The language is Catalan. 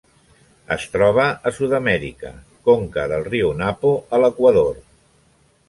Es troba a Sud-amèrica: conca del riu Napo a l'Equador.